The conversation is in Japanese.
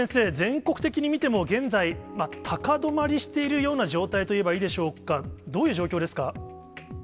松本先生、全国的に見ても、現在、高止まりしているような状態といえばいいでしょうか、どういう状況ですか。